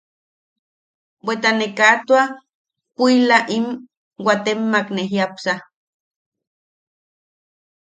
Bweta ne kaa tua puʼilaika im watemmak ne jiapsa.